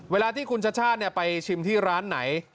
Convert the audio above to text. เวลาที่คุณชาติชาติไปชิมที่ร้านไหน